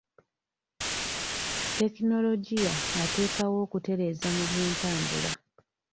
Tekinologiya ateekawo okutereeza mu by'entambula.